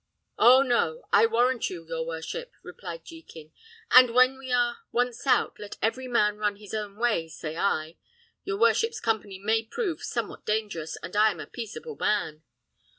"Oh, no! I warrant you, your worship," replied Jekin. "And when we are once out, let every man run his own way, say I. Your worship's company may prove somewhat dangerous, and I am a peaceable man."